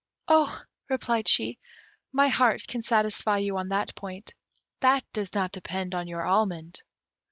"Oh," replied she, "my heart can satisfy you on that point. That does not depend on your almond."